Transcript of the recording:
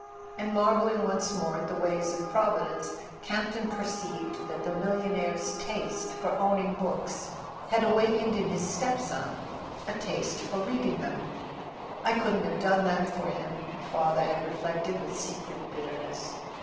And, marvelling once more at the ways of Providence, Campton perceived that the mil¬ lionaire's taste for owning books had awakened in his stepson a taste for reading them. "I couldn't have done that for him," the father had reflected with secret bitterness.